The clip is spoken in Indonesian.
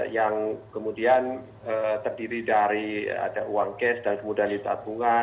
yang kemudian terdiri dari ada uang kes dan kemudian libat